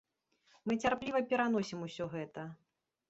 Мы цярпліва пераносім усё гэта.